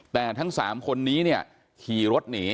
แต่ทั้งสามคนนี้ขี่รถหนี